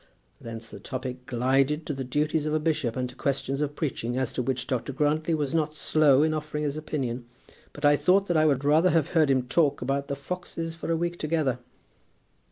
Thence the topic glided to the duties of a bishop and to questions of preaching, as to which Dr. Grantly was not slow in offering his opinion. But I thought that I would rather have heard him talk about the foxes for a week together."